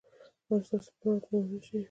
ایا ستاسو قناعت به و نه شي؟